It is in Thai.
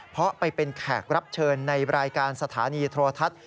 เพราะไปเป็นแขกรับเชิญในรายการสถานีโทรทัศน์